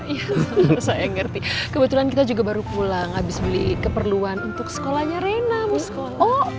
iya saya ngerti kebetulan kita juga baru pulang habis beli keperluan untuk sekolahnya reina mau sekolah